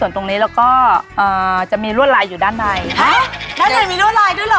นั่นเลยมีด้วยลายด้วยเหรอ